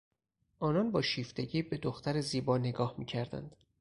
آنان با شیفتگی به دختر زیبا نگاه میکردند.